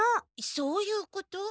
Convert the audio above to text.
そういうこと？